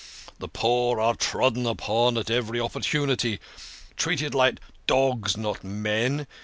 The poor are trodden upon at every opportunity, treated like dogs, not men.